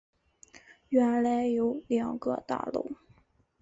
原来有两个大楼